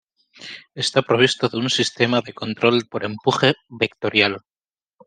Está provisto de un sistema de control por empuje vectorial.